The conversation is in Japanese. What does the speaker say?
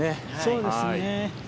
そうですね。